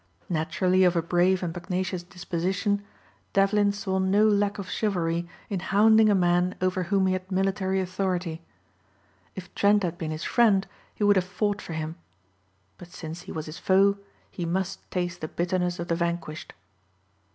Naturally of a brave and pugnacious disposition, Devlin saw no lack of chivalry in hounding a man over whom he had military authority. If Trent had been his friend he would have fought for him. But since he was his foe he must taste the bitterness of the vanquished.